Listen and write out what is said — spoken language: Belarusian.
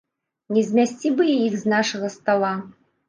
Не змясці бы і іх з нашага стала.